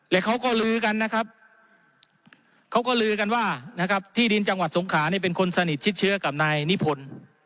และเขาก็ลือกันนะครับเขาก็ลือกันว่านะครับที่ดินจังหวัดสงขานี่เป็นคนสนิทชิดเชื้อกับนายนิพนธ์